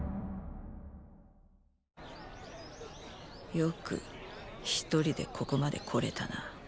よく一人でここまで来れたな。